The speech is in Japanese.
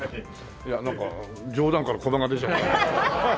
いやなんか冗談から駒が出ちゃった。